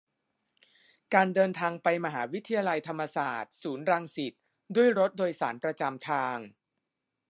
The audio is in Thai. การเดินทางไปมหาวิทยาลัยธรรมศาสตร์ ศูนย์รังสิต ด้วยรถโดยสารประจำทาง